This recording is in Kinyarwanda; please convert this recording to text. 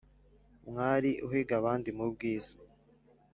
Mwari uhiga abandi mu bwiza